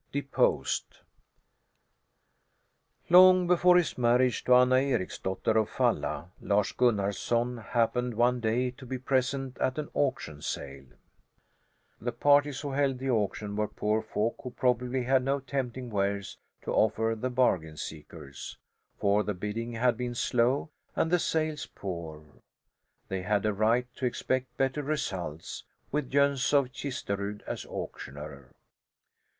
DEPOSED Long before his marriage to Anna Ericsdotter of Falla, Lars Gunnarson happened one day to be present at an auction sale. The parties who held the auction were poor folk who probably had no tempting wares to offer the bargain seekers, for the bidding had been slow, and the sales poor. They had a right to expect better results, with Jöns of Kisterud as auctioneer.